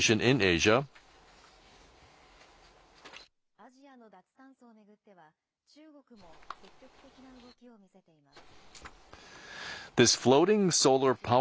アジアの脱炭素を巡っては、中国も積極的な動きを見せています。